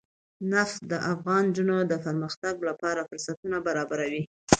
نفت د افغان نجونو د پرمختګ لپاره فرصتونه برابروي.